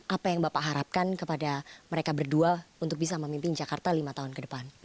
apa yang bapak harapkan kepada mereka berdua untuk bisa memimpin jakarta lima tahun ke depan